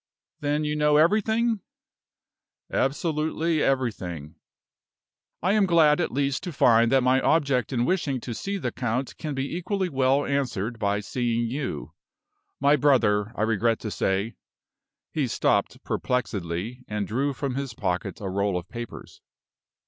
"Then you know everything?" "Absolutely everything." "I am glad at least to find that my object in wishing to see the count can be equally well answered by seeing you. My brother, I regret to say " He stopped perplexedly, and drew from his pocket a roll of papers.